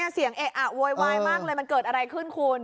เสียงเอะอะโวยวายมากเลยมันเกิดอะไรขึ้นคุณ